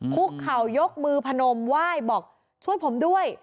คุกเข่ายกมือพนมไหว้บอกช่วยผมด้วย